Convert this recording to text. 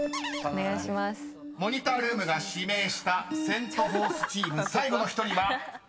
［モニタールームが指名したセント・フォースチーム最後の１人は］